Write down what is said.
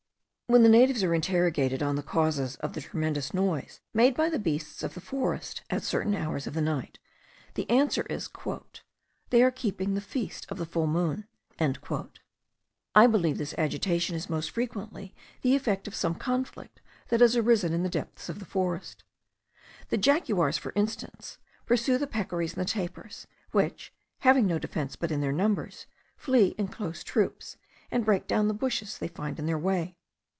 When the natives are interrogated on the causes of the tremendous noise made by the beasts of the forest at certain hours of the night, the answer is, "They are keeping the feast of the full moon." I believe this agitation is most frequently the effect of some conflict that has arisen in the depths of the forest. The jaguars, for instance, pursue the peccaries and the tapirs, which, having no defence but in their numbers, flee in close troops, and break down the bushes they find in their way.